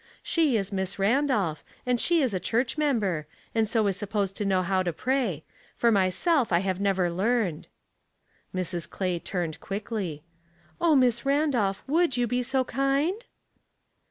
" She is Miss Randolph, and she is a clmrch member, and so is supposed to know how to pray ; for myself I have never learned." Mrs. Clay turned quickly. " O Miss Randolph, would you be so kind